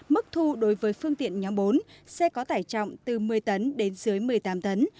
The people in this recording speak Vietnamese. mức thu đối với phương tiện nhóm bốn xe có tải trọng từ một mươi tấn đến dưới một mươi tám tấn